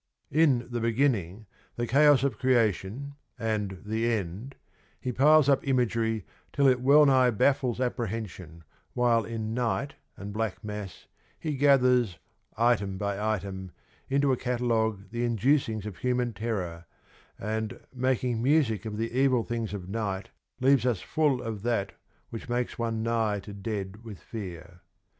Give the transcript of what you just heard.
In ' The Beginning '— the chaos of creation — and ' The End ' he piles up imagery till it well nigh baffles apprehension, while in ' Night' and ' Black Mass ' he gathers, item by item, into a catalogue the inducings of human terror, and, making music of ' the evil things of night ' leaves us full ' of that which makes one nigh to dead with fear.'